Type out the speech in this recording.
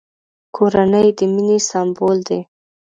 کورنۍ د مینې سمبول دی!